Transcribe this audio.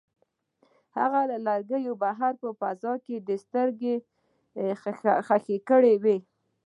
هغه له کړکۍ بهر په فضا کې سترګې ښخې کړې وې.